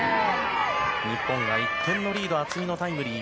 日本が１点のリードを渥美のタイムリー。